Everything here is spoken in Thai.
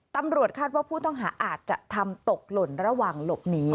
ตำรวจคาดว่าผู้ต้องหาอาจจะทำตกหล่นระหว่างหลบหนี